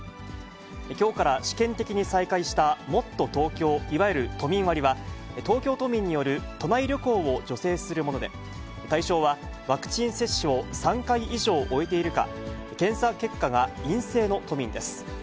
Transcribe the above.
きょうから試験的に再開した、もっとＴｏｋｙｏ、いわゆる都民割は、東京都民による都内旅行を助成するもので、対象は、ワクチン接種を３回以上終えているか、検査結果が陰性の都民です。